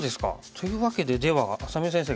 というわけででは愛咲美先生